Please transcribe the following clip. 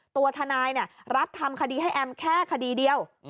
ตัวทนายรับทำคดีให้แอมแค่คดีเดียว